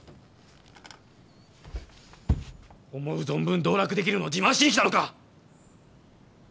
思う存分道楽できるのを自慢しにきたのか！